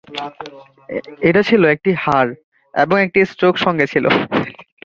এটা ছিল একটি হাড় এবং একটি স্ট্রোক সঙ্গে ছিল.